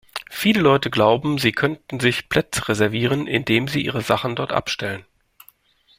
Viele Leute glauben, sie könnten sich Plätze reservieren, indem sie ihre Sachen dort abstellen.